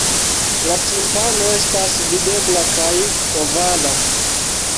La timpano estas videbla kaj ovala.